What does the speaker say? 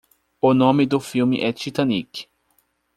O nome do filme é Titanic.